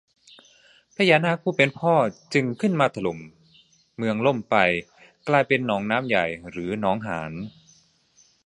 พญานาคผู้เป็นพ่อจึงขึ้นมาถล่มเมืองล่มไป กลายเป็นหนองน้ำใหญ่ คือ หนองหาน